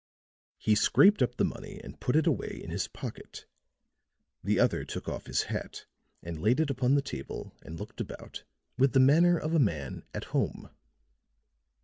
He scraped up the money and put it away in his pocket; the other took off his hat and laid it upon the table and looked about with the manner of a man at home.